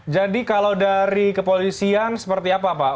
jadi kalau dari kepolisian seperti apa pak